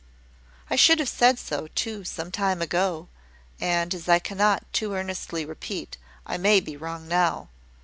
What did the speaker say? "I should have said so, too, some time ago: and as I cannot too earnestly repeat, I may be wrong now.